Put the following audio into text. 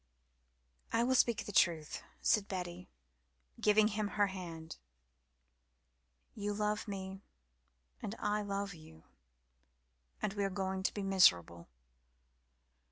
"I will speak the truth," said Betty, giving him her other hand. "You love me and I love you, and we are going to be miserable.